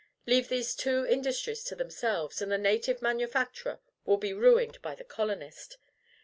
Leave these two industries to themselves, and the native manufacturer will be ruined by the colonist.